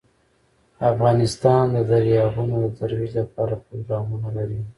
افغانستان د دریابونه د ترویج لپاره پروګرامونه لري.